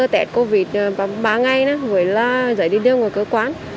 tẹt covid một mươi chín ba ngày với giấy đi đưa ngoài cơ quan